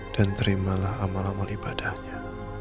dan terimalah amal amal ibadahnya